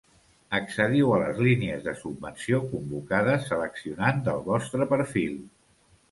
Accediu a les línies de subvenció convocades seleccionant del vostre perfil.